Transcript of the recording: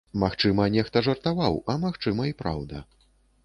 Магчыма, нехта жартаваў, а магчыма, і праўда.